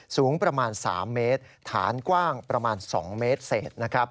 สูงประมาณ๓เมตรฐานกว้างประมาณ๒เมตรเศษนะครับ